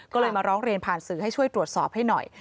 ก็เลยมาร้องเรียนผ่านสื่อให้ช่วยตรวจสอบให้หน่อย